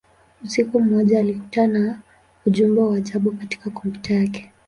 Usiku mmoja, alikutana ujumbe wa ajabu katika kompyuta yake.